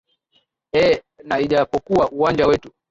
ee na ijapokuwa uwanja wetu